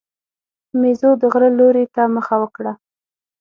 مېزو د غره لوري ته مخه وکړه.